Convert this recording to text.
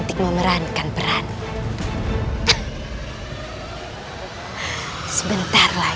tidak aku akan datang ketawa